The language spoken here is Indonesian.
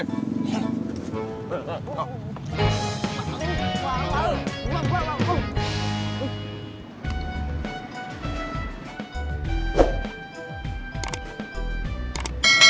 enggak enggak enggak